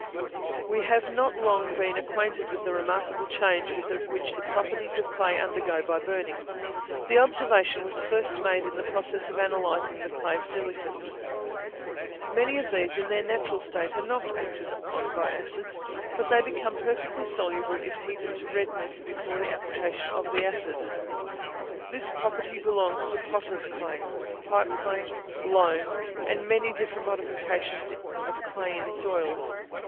We have not long been acquainted with the remarkable change which the properties of clay undergo by burning. The observation was first made in the process of analysing the clay silicates. Many of these, in their natural state, are not acted on by acids, but they become perfectly soluble if heated to redness before the application of the acid. This property belongs to potters' clay, pipe clay, loam, and many different modifications of clay in soils.